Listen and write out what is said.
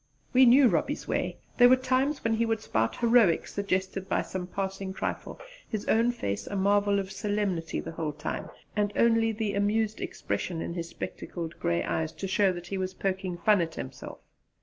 We knew Robbie's way. There were times when he would spout heroics, suggested by some passing trifle, his own face a marvel of solemnity the whole time, and only the amused expression in his spectacled grey eyes to show he was poking fun at himself.